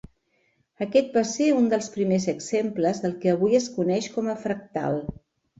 Aquest va ser un dels primers exemples del que avui es coneix com a fractal.